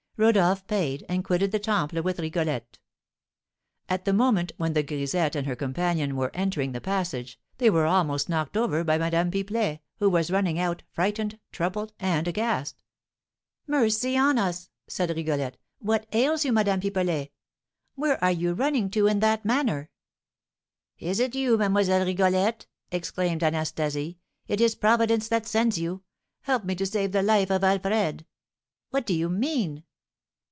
Rodolph paid, and quitted the Temple with Rigolette. At the moment when the grisette and her companion were entering the passage, they were almost knocked over by Madame Pipelet, who was running out, frightened, troubled, and aghast. "Mercy on us!" said Rigolette, "what ails you, Madame Pipelet? Where are you running to in that manner?" "Is it you, Mlle. Rigolette?" exclaimed Anastasie; "it is Providence that sends you; help me to save the life of Alfred." "What do you mean?"